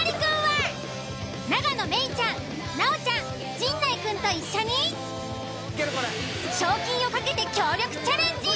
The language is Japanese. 永野芽郁ちゃん奈緒ちゃん陣内くんと一緒に賞金を懸けて協力チャレンジ！